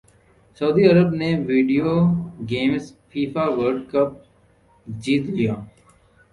سعودی عرب نے video games FIFA world cup جیت لیا